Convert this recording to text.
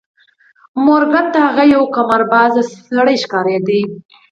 مورګان ته هغه یو قمارباز سړی ښکارېده